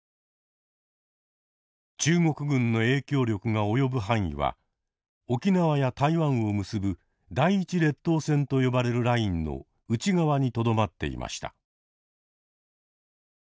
中国軍の影響力が及ぶ範囲は沖縄や台湾を結ぶ第１列島線と呼ばれるラインの内側にとどまっていました。